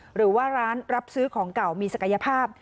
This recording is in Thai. หรือว่าร้านรับซื้อของเก่ามีศักยภาพ